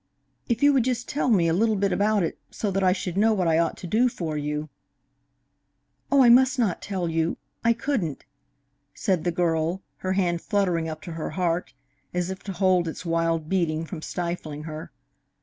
"If you would just tell me a little bit about it, so that I should know what I ought to do for you " "Oh, I must not tell you! I couldn't!" said the girl, her hand fluttering up to her heart, as if to hold its wild beating from stifling her.